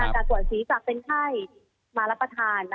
แก้ไตรป่วนศรีจากเป็นไพ่มารับพระธาน